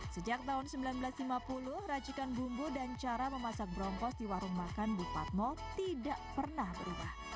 sejak tahun seribu sembilan ratus lima puluh racikan bumbu dan cara memasak brompos di warung makan bupat mo tidak pernah berubah